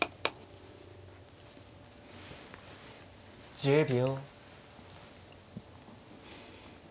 １０秒。